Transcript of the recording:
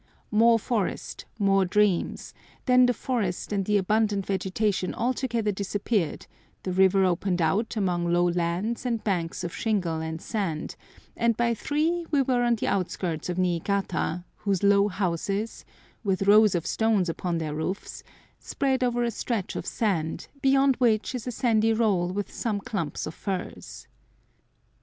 More forest, more dreams, then the forest and the abundant vegetation altogether disappeared, the river opened out among low lands and banks of shingle and sand, and by three we were on the outskirts of Niigata, whose low houses,—with rows of stones upon their roofs, spread over a stretch of sand, beyond which is a sandy roll with some clumps of firs.